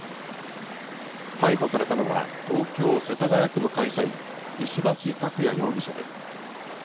逮捕されたのは、東京・世田谷区の会社員、石橋拓也容疑者です。